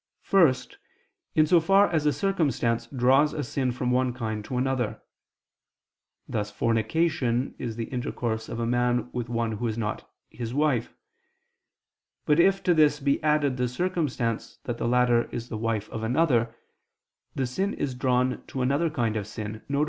First, in so far as a circumstance draws a sin from one kind to another: thus fornication is the intercourse of a man with one who is not his wife: but if to this be added the circumstance that the latter is the wife of another, the sin is drawn to another kind of sin, viz.